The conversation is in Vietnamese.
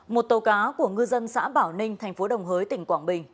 một tàu cá của ngư dân xã bảo ninh thành phố đồng hới tỉnh quảng bình